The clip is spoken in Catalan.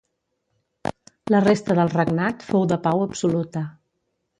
La resta del regnat fou de pau absoluta.